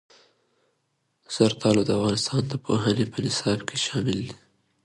زردالو د افغانستان د پوهنې په نصاب کې شامل دي.